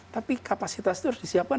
tapi kapasitas itu harus disiapkan